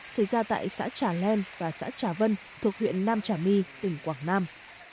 xảy ra tại xã trà len và xã trà vân thuộc huyện nam trà my tỉnh quảng nam